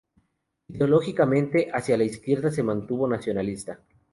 Ideológicamente hacia la izquierda, se mantuvo nacionalista.